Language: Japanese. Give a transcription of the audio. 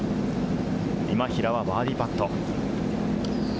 今平はバーディーパット。